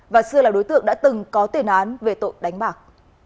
và xưa là đối tượng đã từng có tiền án về tội đánh bạc